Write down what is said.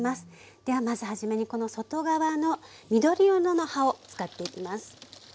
ではまず初めにこの外側の緑色の葉を使っていきます。